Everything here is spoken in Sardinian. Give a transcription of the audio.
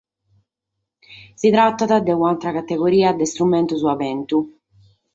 Si tratat de un’àtera categoria de istrumentos a bentu.